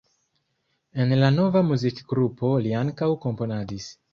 En la nova muzikgrupo li ankaŭ komponadis.